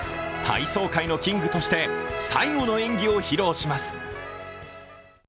体操界のキングとして最後の演技を披露します。